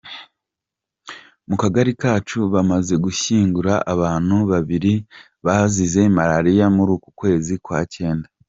Mu kagari kacu bamaze gushyingura abantu babiri bazize malariya muri uku kwezi kwa cyenda.